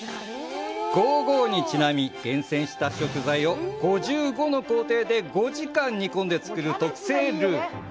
ゴーゴーにちなみ厳選した食材を５５の工程で５時間煮込んで作る特製ルー。